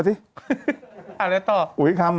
อันนี้กับอุ๋ยมาสิ